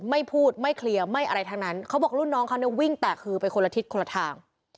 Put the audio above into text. ไม่พูดไม่เคลียร์ไม่อะไรทั้งนั้นเขาบอกรุ่นน้องเขาเนี่ยวิ่งแตกคือไปคนละทิศคนละทาง